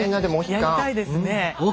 やりたいですね。